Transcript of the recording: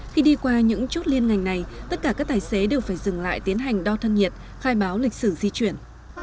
khi đi qua những chốt liên ngành này tất cả các tài xế đều phải dừng lại tiến hành đo thân nhiệt khai báo lịch sử di chuyển